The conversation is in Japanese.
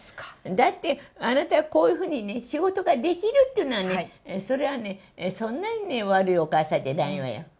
だって、あなたはこういうふうにね、仕事ができるっていうのはね、それはね、そんなに悪いお母さんじゃないわよ。